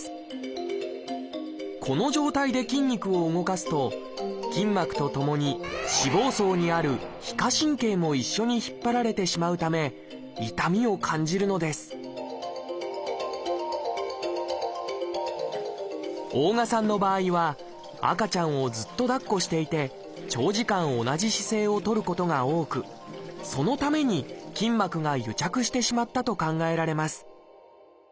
この状態で筋肉を動かすと筋膜とともに脂肪層にある「皮下神経」も一緒に引っ張られてしまうため痛みを感じるのです大我さんの場合は赤ちゃんをずっとだっこしていて長時間同じ姿勢をとることが多くそのために筋膜が癒着してしまったと考えられます